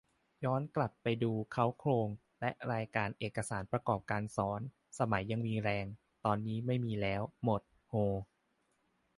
ย้อนกลับไปดูเค้าโครงและรายการเอกสารประกอบการสอน สมัยยังมีแรง ตอนนี้ไม่มีแล้ว หมด โฮ